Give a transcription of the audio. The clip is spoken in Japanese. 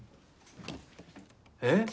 えっ？